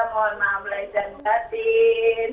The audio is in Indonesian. mohon maaf lahir dan batin